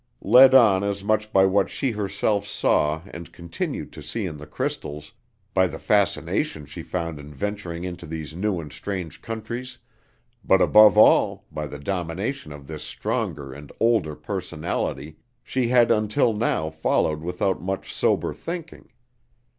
Led on as much by what she herself saw and continued to see in the crystals, by the fascination she found in venturing into these new and strange countries, but above all by the domination of this stronger and older personality, she had until now followed without much sober thinking.